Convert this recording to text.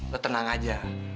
lo tenang aja